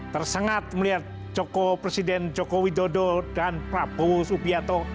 tersengat melihat joko presiden joko widodo dan prabowo subianto